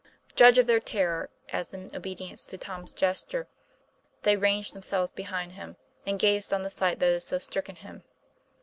Judge of their terror, as, in obedience to Tom's gesture, they ranged themselves beside him and gazed on the sight that had so stricken him.